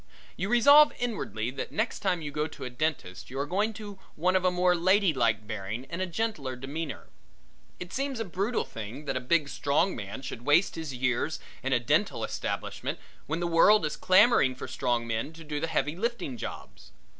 You resolve inwardly that next time you go to a dentist you are going to one of a more lady like bearing and gentler demeanor. It seems a brutal thing that a big strong man should waste his years in a dental establishment when the world is clamoring for strong men to do the heavy lifting jobs.